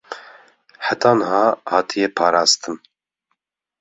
heta niha hatiye parastin